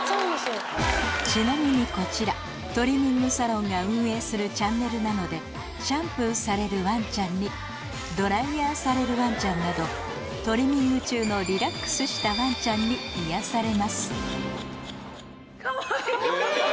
ちなみにこちらトリミングサロンが運営するチャンネルなのでシャンプーされるワンちゃんにドライヤーされるワンちゃんなどトリミング中のリラックスしたワンちゃんに癒やされます